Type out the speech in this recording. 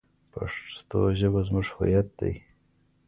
پښتو ژبه زموږ هویت دی.